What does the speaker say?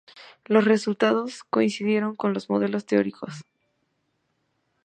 Los resultados coincidieron con los modelos teóricos.